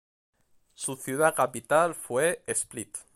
Su ciudad capital fue Split.